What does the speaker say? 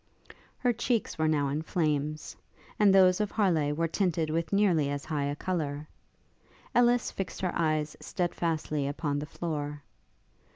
Her cheeks were now in flames; and those of Harleigh were tinted with nearly as high a colour. Ellis fixed her eyes stedfastly upon the floor.